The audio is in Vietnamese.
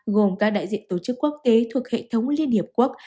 gồm các đại diện tổ chức quốc tế thuộc hệ thống liên hiệp quốc